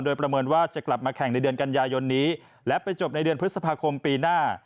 โดยประเมินว่าจะกลับมาแข่งในเดือนกันยายนนี้และไปจบในเดือนพฤษภาคมปีหน้า